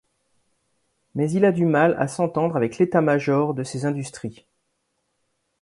Mais il a du mal à s'entendre avec l'état-major de ces industries.